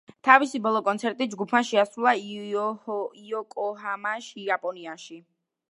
თავისი ბოლო კონცერტი ჯგუფმა შეასრულა იოკოჰამაში, იაპონიაში.